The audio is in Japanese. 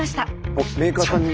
あっメーカーさんに？